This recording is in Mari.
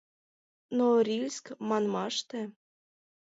Норильск манмаште...